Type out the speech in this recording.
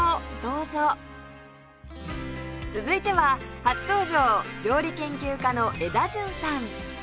続いては初登場料理研究家のエダジュンさん